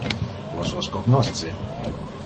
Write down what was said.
Vos vos cognosce?